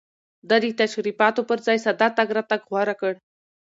ده د تشريفاتو پر ځای ساده تګ راتګ غوره کړ.